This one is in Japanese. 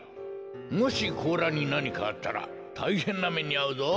もしこうらになにかあったらたいへんなめにあうぞ。